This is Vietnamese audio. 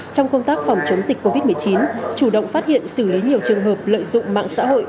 trong công tác phòng chống dịch covid một mươi chín chủ động phát hiện xử lý nhiều trường hợp lợi dụng mạng xã hội